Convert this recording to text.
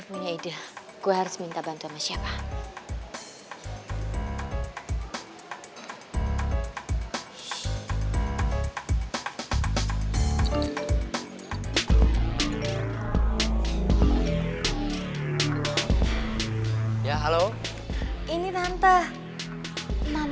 gue punya ide gue harus minta bantuan sama siapa